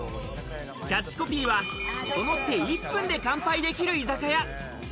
キャッチコピーは、ととのって１分で乾杯できる居酒屋。